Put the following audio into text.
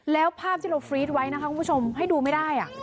แล้วภาพที่เราฟรีดไว้นะคะคุณผู้ชมให้ดูไม่ได้